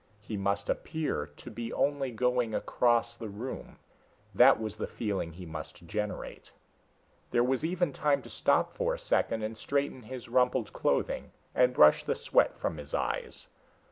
He must appear to be only going across the room, that was the feeling he must generate. There was even time to stop for a second and straighten his rumpled clothing and brush the sweat from his eyes.